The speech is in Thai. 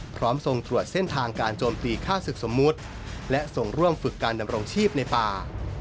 ทรงตรวจเส้นทางการโจมตีฆ่าศึกสมมุติและส่งร่วมฝึกการดำรงชีพในป่า